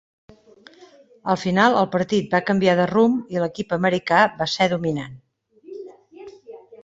Al final el partit va canviar de rumb i l"equip americà va ser dominant.